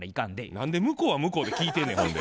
何で向こうは向こうで聞いてんねんほんで。